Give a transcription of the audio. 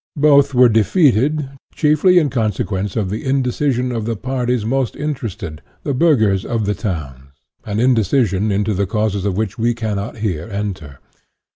Both were defeated, chiefly in consequence of the indecision of the parties most interested, the burghers of the towns an indecision into the causes of which we cannot here enter.